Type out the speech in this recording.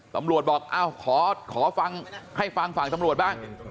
ตำรวจบอกขอฟังให้ฟังฝั่งตำรวจบ้าง